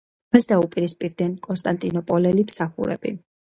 მას დაუპირისპირდნენ კონსტანტინოპოლელი მსახურები.